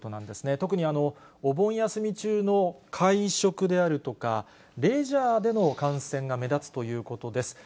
特にお盆休み中の会食であるとか、レジャーでの感染が目立つということです。